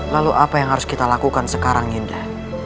lalu apa yang harus kita lakukan sekarang indah